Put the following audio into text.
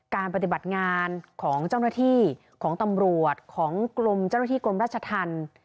ปฏิบัติงานของเจ้าหน้าที่ของตำรวจของกรมเจ้าหน้าที่กรมราชธรรม